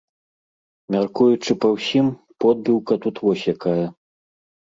Мяркуючы па ўсім, подбіўка тут вось якая.